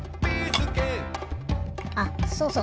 あそうそう。